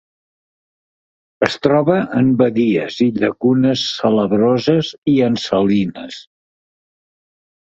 Es troba en badies i llacunes salabroses i en salines.